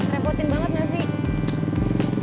repotin banget gak sih